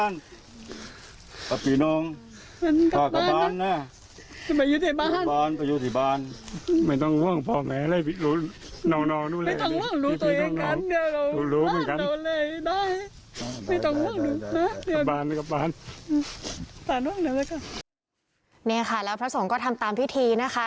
นี่ค่ะแล้วพระสงฆ์ก็ทำตามพิธีนะคะ